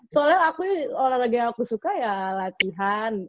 soalnya aku olahraga yang aku suka ya latihan